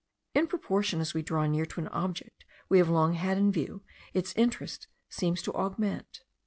In proportion as we draw near to an object we have long had in view, its interest seems to augment.